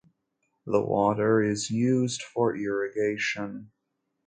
The water is used for irrigation.